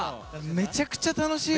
めちゃくちゃ楽しいよ